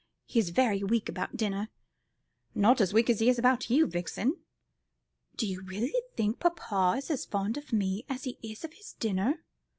He's very weak about dinner." "Not so weak as he is about you, Vixen." "Do you really think papa is as fond of me as he is of his dinner?"